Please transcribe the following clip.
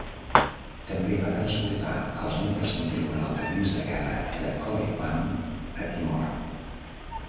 També va transportar els membres d'un tribunal de crims de guerra de Koepang a Timor.